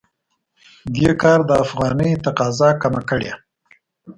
دې کار د افغانۍ تقاضا کمه کړې.